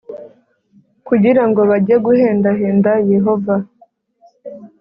Kugira ngo bajye guhendahenda yehova